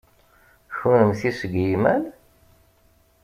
Kennemti seg yimal?